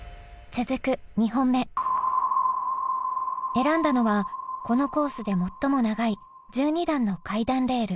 選んだのはこのコースで最も長い１２段の階段レール。